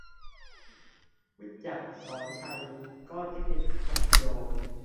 วิจักร ศรไชย : ก็เทคนิค 'มัดย้อม'